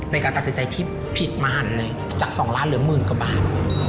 เป็นการตัดสินใจที่ผิดมหันจาก๒ล้านเหลือหมื่นกว่าบาท